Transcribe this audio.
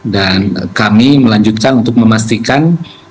dan kami melanjutkan untuk memastikan